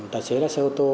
tài xế lái xe ô tô